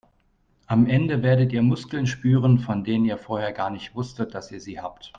Am Ende werdet ihr Muskeln spüren, von denen ihr vorher gar nicht wusstet, dass ihr sie habt.